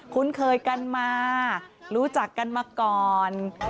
คุ้นเคยกันมารู้จักกันมาก่อน